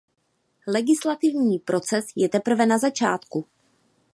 Legislativní proces je teprve na začátku.